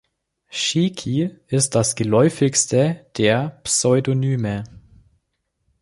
Shiki ist das geläufigste der Pseudonyme.